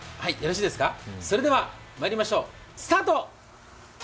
それではまいりましょう、スタート！